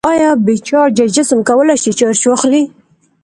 آیا بې چارجه جسم کولی شي چارج واخلي؟